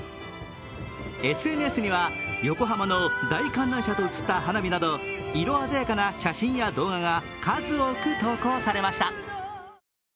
ＳＮＳには横浜の大観覧車と写った花火など色鮮やかな写真や動画が数多く投稿されました。